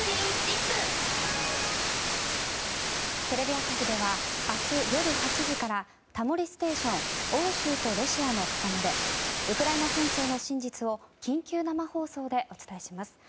テレビ朝日では明日夜８時から「タモリステーション欧州とロシアの狭間でウクライナ戦争の真実」を緊急生放送でお伝えします。